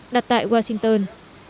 đặt tại washington